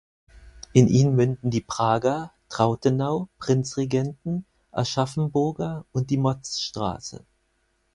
In ihn münden die Prager-, Trautenau-, Prinzregenten-, Aschaffenburger und die Motzstraße.